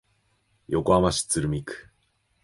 横浜市鶴見区